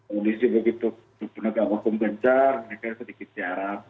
kondisi begitu penegak hukum bencar mereka sedikit tiarap